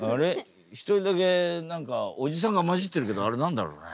一人だけ何かおじさんが交じってるけどあれ何だろうね？